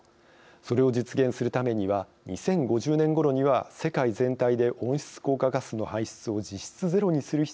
それを実現するためには２０５０年ごろには世界全体で温室効果ガスの排出を実質ゼロにする必要があること。